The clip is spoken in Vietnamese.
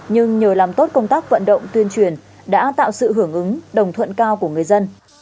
nhưng nhờ làm tốt công tác vận động tuyên truyền đã tạo sự hưởng ứng đồng thuận cao của người dân